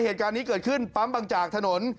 เหตุการณ์นี้เกิดขึ้นปั๊มบางจากถนน